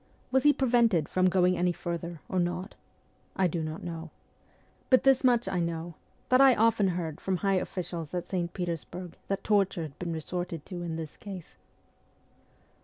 Was he prevented from going any further, or not ? I do not know. But this much I know : that I often heard from high officials at St. Petersburg that torture had been resorted to in this case.